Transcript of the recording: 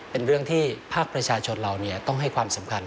เป็นเรื่องที่ภาคประชาชนเราต้องให้ความสำคัญ